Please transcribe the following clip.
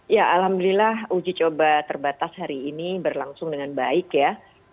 ya alhamdulillah uji coba terbatas hari ini berlangsung dengan baik ya